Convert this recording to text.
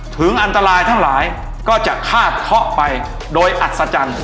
ถึงอันตรายทั้งหลายก็จะคาดเคาะไปโดยอัศจรรย์